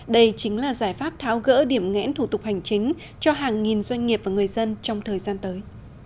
đây chính là giải pháp tháo gỡ điểm ngẽn thủ tục hành chính cho hàng nghìn doanh nghiệp và người dân trong thời gian tới